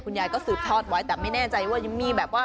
คุณยายสืบทอดกันแต่ไม่แน่ใจว่ายังมีแบบว่า